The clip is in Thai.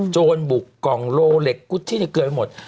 โจรบุกกล่องโลเหล็กกุชชี่เกลือไปหมด